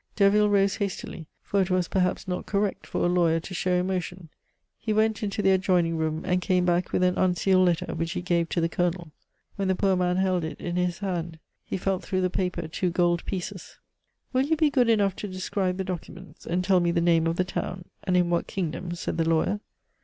Derville rose hastily, for it was perhaps not correct for a lawyer to show emotion; he went into the adjoining room, and came back with an unsealed letter, which he gave to the Colonel. When the poor man held it in his hand, he felt through the paper two gold pieces. "Will you be good enough to describe the documents, and tell me the name of the town, and in what kingdom?" said the lawyer.